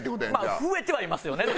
まあ増えてはいますよね。